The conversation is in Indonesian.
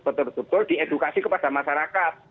betul betul diedukasi kepada masyarakat